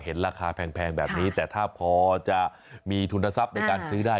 เห็นราคาแพงแบบนี้แต่ถ้าพอจะมีทุนทรัพย์ในการซื้อได้